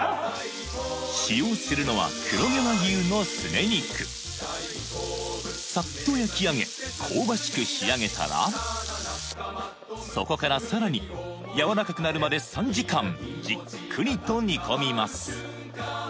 使用するのはサッと焼き上げ香ばしく仕上げたらそこからさらにやわらかくなるまで３時間じっくりと煮込みます